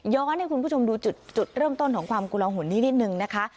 ให้คุณผู้ชมดูจุดเริ่มต้นของความกุลหนนี้นิดนึงนะคะ